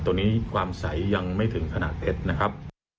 ตัวนี้ความใสยังไม่ถึงสมัยใหม่ถึงขนาดเพชรนะครับ